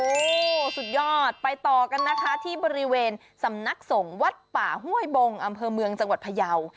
โอ้โหสุดยอดไปต่อกันนะคะที่บริเวณสำนักสงฆ์วัดป่าห้วยบงอำเภอเมืองจังหวัดพยาว